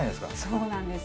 そうなんですよ。